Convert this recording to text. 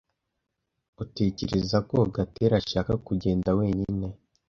Utekereza ko Gatera ashaka kugenda wenyine?